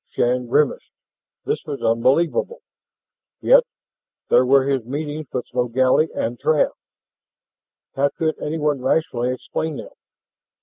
Shann grimaced. This was unbelievable. Yet there were his meetings with Logally and Trav. How could anyone rationally explain them?